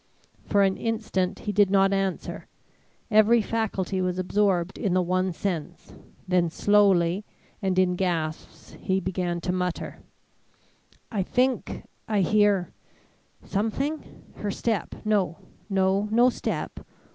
For an instant he did not answer; every faculty was absorbed in the one sense; then slowly and in gasps he began to mutter: "I think I hear something. Her step no, no, no step.